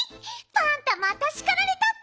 パンタまたしかられたッピ！